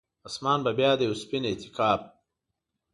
اسمان به بیا د یوه سپین اعتکاف،